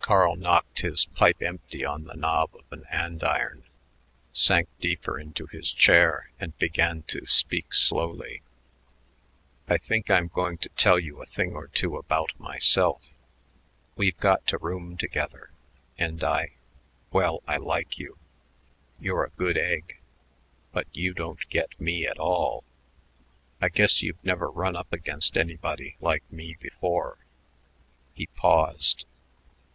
Carl knocked his pipe empty on the knob of an andiron, sank deeper into his chair, and began to speak slowly. "I think I'm going to tell you a thing or two about myself. We've got to room together, and I well, I like you. You're a good egg, but you don't get me at all. I guess you've never run up against anybody like me before." He paused.